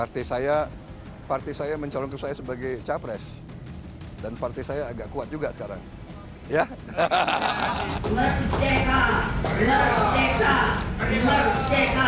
tapi mana yang lain itu berbeda yaitu kena disayangkan dalam syarat kepolisikan asal kita